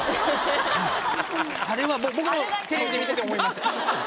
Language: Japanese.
あれは僕もテレビで見てて思いました。